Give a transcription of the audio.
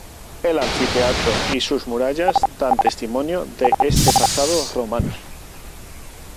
El anfiteatro y sus murallas dan testimonio de este pasado romano.